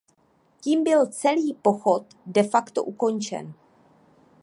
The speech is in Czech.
Tím byl celý pochod de facto ukončen.